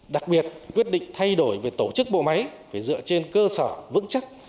đặc biệt quyết định thay đổi về tổ chức bộ máy phải dựa trên cơ sở vững chắc